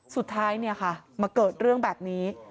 สุดท้ายมาเกิดเรื่องแบบนี้